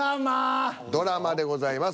「ドラマ」でございます。